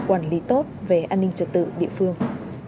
quản lý tốt về an ninh trật tự địa phương